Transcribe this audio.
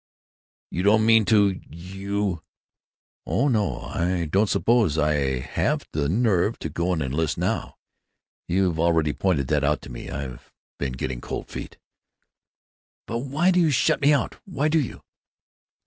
"You don't mean to—— You——" "Oh no, I don't suppose I'd have the nerve to go and enlist now. You've already pointed out to me that I've been getting cold feet." "But why do you shut me out? Why do you?"